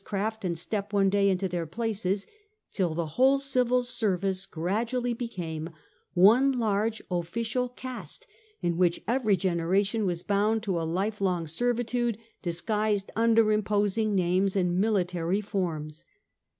craft and step one day into their places, till the whole civil service gradually became one large official caste, in which each generation was bound to a lifelong servitude, disguised under imposing names and military forms.